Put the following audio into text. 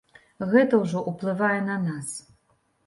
Гэта ўжо ўплывае на нас.